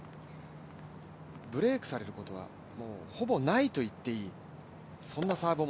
ブレークされることはもうほぼないと言っていいサーブ。